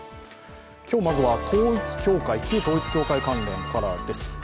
今日、まずは旧統一教会関連からです。